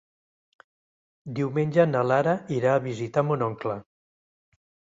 Diumenge na Lara irà a visitar mon oncle.